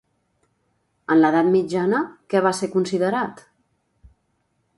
En l'edat mitjana, què va ser considerat?